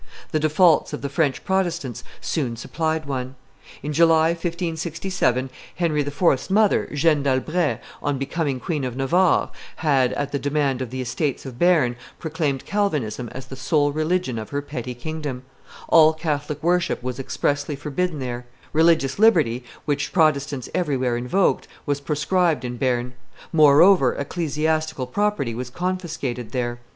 The defaults of the French Protestants soon supplied one. In July, 1567, Henry IV.'s mother, Jeanne d'Albret, on becoming Queen of Navarre, had, at the demand of the Estates of Bearn, proclaimed Calvinism as the sole religion of her petty kingdom; all Catholic worship was expressly forbidden there; religious liberty, which Protestants everywhere invoked, was proscribed in Bearn; moreover, ecclesiastical property was confiscated there.